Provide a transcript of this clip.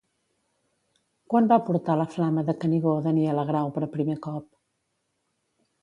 Quan va portar la Flama de Canigó Daniela Grau per primer cop?